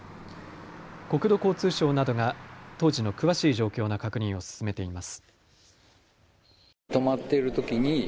国土交通省などが当時の詳しい状況の確認を進めています。